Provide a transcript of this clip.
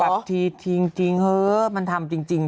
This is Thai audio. ปรับทีทิ้งเหอะมันทำจริง